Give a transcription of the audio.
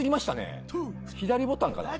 左ボタンかな？